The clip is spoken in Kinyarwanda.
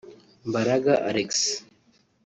Mbaraga Alexi